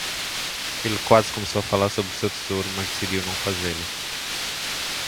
Ele quase começou a falar sobre seu tesouro, mas decidiu não fazê-lo.